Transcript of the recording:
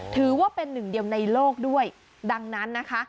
ถือว่าเป็นหนึ่งเดียวในโลกด้วยดังนั้นนะคะ